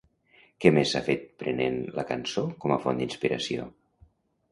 Què més s'ha fet prenent la cançó com a font d'inspiració?